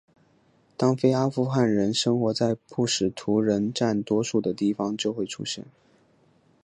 当非阿富汗人生活在普什图人占多数的地方就会出现。